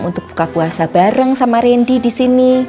untuk buka puasa bareng sama rendy disini